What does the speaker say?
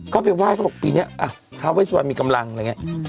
เขาไปว่ายเขาบอกปีนี้ทาวเวสวรมีกำลังอะไรอย่างนี้